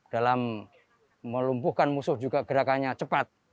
dalam melumpuhkan musuh juga gerakannya cepat